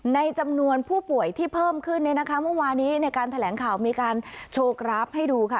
ในจำนวนผู้ป่วยที่เพิ่มขึ้นเนี่ยนะคะเมื่อวานี้ในการแถลงข่าวมีการโชว์กราฟให้ดูค่ะ